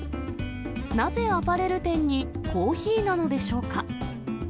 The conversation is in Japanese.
なぜアパレル店にコーヒーなのでしょうか。